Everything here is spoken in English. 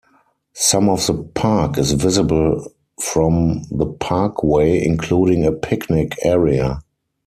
Some of the park is visible from the Parkway, including a picnic area.